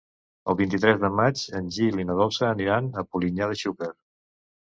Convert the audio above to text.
El vint-i-tres de maig en Gil i na Dolça aniran a Polinyà de Xúquer.